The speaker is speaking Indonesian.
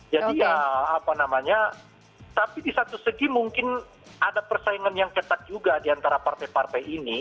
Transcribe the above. jadi ya apa namanya tapi di satu segi mungkin ada persaingan yang ketat juga di antara partai partai ini